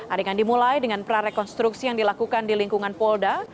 adegan dimulai dengan prarekonstruksi yang dilakukan di lingkungan polda